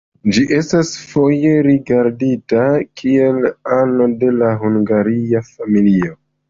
Ĝi estas foje rigardita kiel ano de la Hungaria familio.